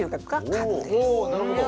おなるほど。